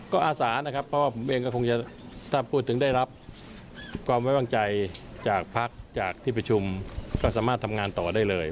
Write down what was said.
ก็อาสานะครับเพราะว่าผมเองก็คงจะถ้าพูดถึงได้รับความไว้วางใจจากพักจากที่ประชุมก็สามารถทำงานต่อได้เลย